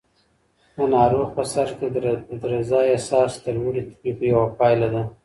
د ناروغ په سر کې د درزا احساس د لوړې تبې یوه پایله ده.